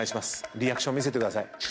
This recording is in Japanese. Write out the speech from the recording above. リアクション見せてください。